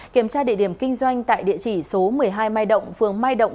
kiểm tra địa điểm kinh doanh tại địa chỉ số một mươi hai mai động phường mai động